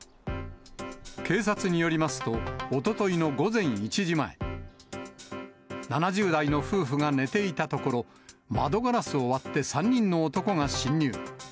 警察によりますと、おとといの午前１時前、７０代の夫婦が寝ていたところ、窓ガラスを割って、３人の男が侵入。